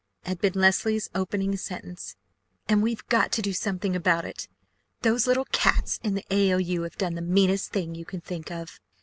had been Leslie's opening sentence, "and we've got to do something about it! Those little cats in the AOU have done the meanest thing you can think of.